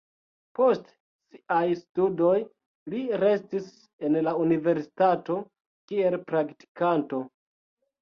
Post siaj studoj li restis en la universitato kiel praktikanto.